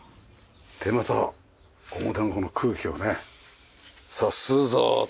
でまた表のこの空気をねさあ吸うぞってね。